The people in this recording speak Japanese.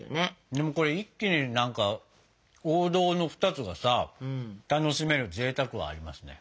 でもこれ一気に何か王道の２つがさ楽しめるぜいたくはありますね。